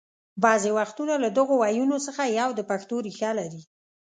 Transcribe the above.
بعضې وختونه له دغو ويونو څخه یو د پښتو ریښه لري